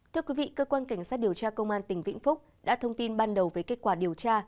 thưa quý vị cơ quan cảnh sát điều tra công an tỉnh vĩnh phúc đã thông tin ban đầu về kết quả điều tra